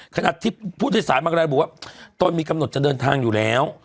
ขนาดที่ผู้ทฤษฐานมาบอกว่าโต้นมีกำหนดจะเดินทางอยู่แล้ว